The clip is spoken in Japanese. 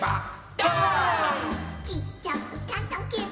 「どーーん」「ちっちゃくたたけば」